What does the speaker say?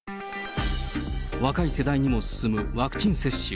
若い世代にも進むワクチン接種。